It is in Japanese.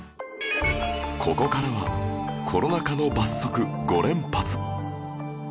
ここからはコロナ禍の罰則５連発